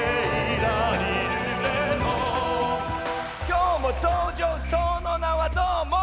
「今日も登場その名はどーも」